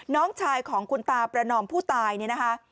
น้องชายของคุณตาประนอมผู้ตายเนี่ยนะคะ